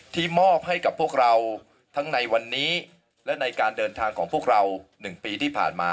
มอบให้กับพวกเราทั้งในวันนี้และในการเดินทางของพวกเรา๑ปีที่ผ่านมา